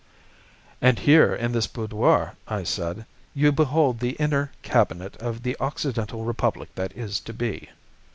"'And here, in this boudoir,' I said, 'you behold the inner cabinet of the Occidental Republic that is to be.